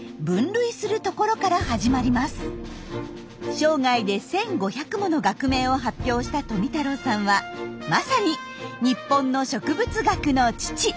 生涯で１５００もの学名を発表した富太郎さんはまさに日本の植物学の父。